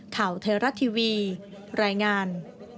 ข่าวเทราะทีวีรายงาน